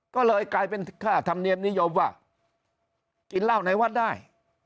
ก็เลยกลายเป็นค่าธรรมเนียมนิยมว่ากินเหล้าในวัดได้